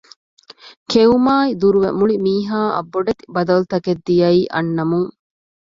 ކެއުމާއި ދުރުވެ މުޅި މީހާ އަށް ބޮޑެތި ބަދަލުތަކެއް ދިޔައީ އަންނަމުން